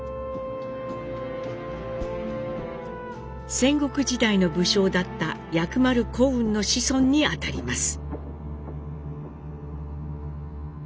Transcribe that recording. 戦国時代の武将だった薬丸孤雲の子孫にあたります。